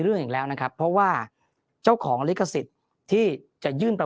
เรื่องอีกแล้วนะครับเพราะว่าเจ้าของลิขสิทธิ์ที่จะยื่นประ